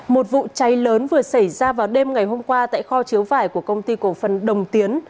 một vụ cháy lớn vừa xảy ra vào đêm ngày hôm qua tại kho chứa vải của công ty cổ phần đồng tiến